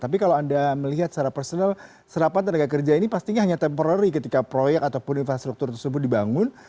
tapi kalau anda melihat secara personal serapan tenaga kerja ini pastinya hanya temporary ketika proyek ataupun infrastruktur tersebut dibangun